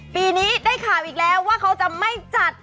ปีนี้ได้ข่าวอีกแล้วว่าเขาจะไม่จัด